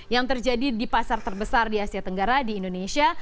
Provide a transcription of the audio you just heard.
yang terjadi di pasar terbesar di asia tenggara di indonesia